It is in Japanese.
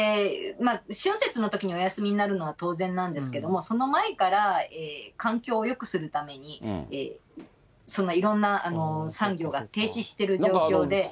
春節のときにお休みになるのは当然なんですけども、その前から環境をよくするためにそんな、いろんな産業が停止している状況で。